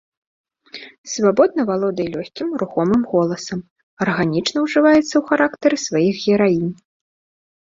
Свабодна валодае лёгкім, рухомым голасам, арганічна ужываецца ў характары сваіх гераінь.